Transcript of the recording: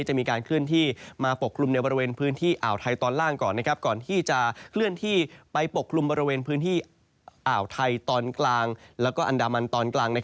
จะมีการเคลื่อนที่มาปกลุ่มในบริเวณพื้นที่อ่าวไทยตอนล่างก่อน